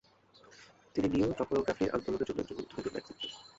তিনি new topography আন্দোলনের একজন গুরুত্বপূর্ণ ব্যক্তিত্ব।